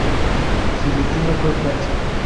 Su destino fue Francia.